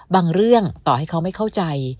บางเรื่องต่อให้เขาไม่เข้าใจ